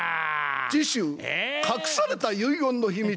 次週隠された遺言の秘密。